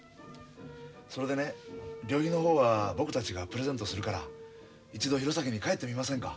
それでね旅費の方は僕たちがプレゼントするから一度弘前に帰ってみませんか。